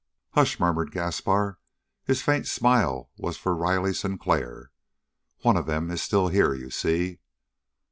"Hush!" murmured Gaspar. His faint smile was for Riley Sinclair. "One of them is still here, you see!"